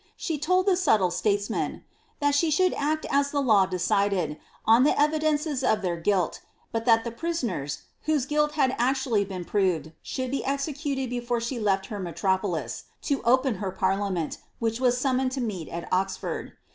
She told the snbde statesman, ^ that she should act as the law decided, on the evidences of their guilt, but that the prisoners, whose guilt had actually been proved, should be executed before she lefl her metropolis" to open her pariia ment, which was summoned to meet at Oxford.